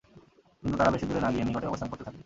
কিন্তু তারা বেশি দূরে না গিয়ে নিকটেই অবস্থান করতে থাকে।